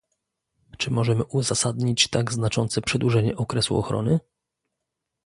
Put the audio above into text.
Czy możemy uzasadnić tak znaczące przedłużenie okresu ochrony?